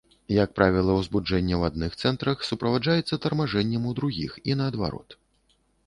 Як правіла, узбуджэнне ў адных цэнтрах суправаджаецца тармажэннем у другіх, і наадварот.